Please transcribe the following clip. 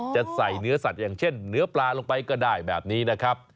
จะใส่เนื้อสัตว์อย่างเช่นเนื้อปลาลงไปก็ได้แบบนี้นะครับ